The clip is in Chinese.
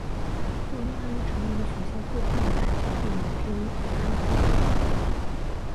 布丽恩成为学校最棒的排球队员之一和班长。